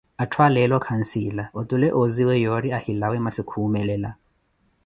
Atthu a leeo kansiila, otule ozziwe yoori ohilawa masi kuumelela.